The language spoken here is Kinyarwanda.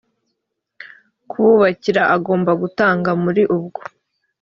kububakira agomba gutanga muri ubwo